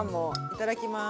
いただきます。